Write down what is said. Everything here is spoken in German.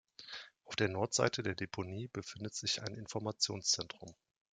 Auf der Nordseite der Deponie befindet sich ein Informationszentrum.